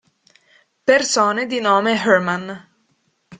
Persone di nome Herman